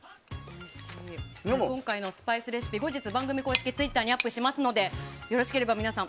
今回のスパイスレシピ後日番組公式ツイッターにアップしますのでよろしければ皆さん。